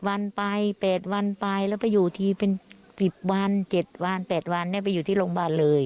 วันไป๘วันไปแล้วไปอยู่ทีเป็น๑๐วัน๗วัน๘วันไปอยู่ที่โรงพยาบาลเลย